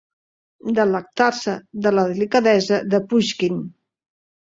Delectar-se de la delicadesa de Pushkin.